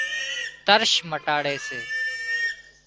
ترش مٽاڙي سي